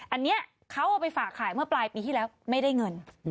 อันนี้เขาเอาไปฝากขายเมื่อปลายปีที่แล้วไม่ได้เงิน